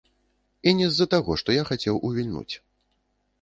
І не з-за таго, што я хацеў увільнуць.